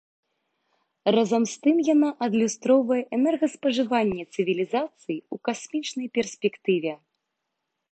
Разам з тым, яна адлюстроўвае энергаспажыванне цывілізацыі ў касмічнай перспектыве.